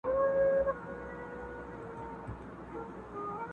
خو چي راغلې پر موږ کرونا ده،